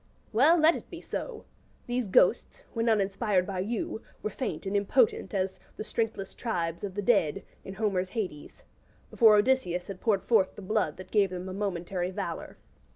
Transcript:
Well, let it be so; these ghosts, when uninspired by you, were faint and impotent as 'the strengthless tribes of the dead' in Homer's Hades, before Odysseus had poured forth the blood that gave them a momentary valour.